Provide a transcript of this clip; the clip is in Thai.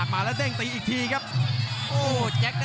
กรรมการเตือนทั้งคู่ครับ๖๖กิโลกรัม